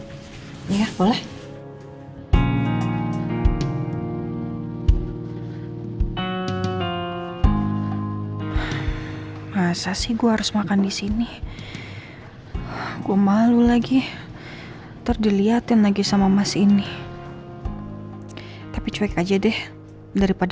masih cuma makan di sini gue malu lagi ntar dilihatin lagi sama mas ini tapi cuek aja deh daripada aku bisa makan di sini gue malu lagi ntar dilihatin lagi sama mas ini tapi cuek aja deh daripada